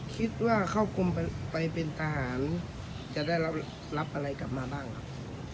คิดว่าเข้ากรมไปเป็นทหารจะได้รับอะไรกลับมาบ้างครับ